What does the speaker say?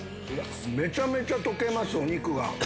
めちゃめちゃ溶けます、お肉が。